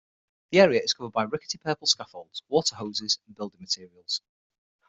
The area is covered by rickety purple scaffolds, water hoses, and building materials.